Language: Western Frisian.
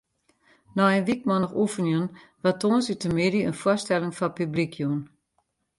Nei in wykmannich oefenjen waard tongersdeitemiddei in foarstelling foar publyk jûn.